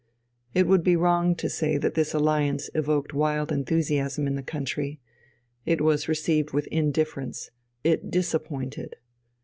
It would be wrong to say that this alliance evoked wild enthusiasm in the country. It was received with indifference; it disappointed.